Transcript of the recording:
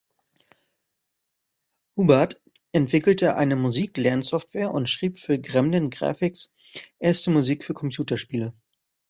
Hubbard entwickelte eine Musik-Lernsoftware und schrieb für Gremlin Graphics erste Musik für Computerspiele.